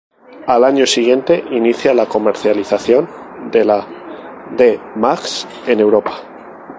Al año siguiente, inicia la comercialización de la D-Max en Europa.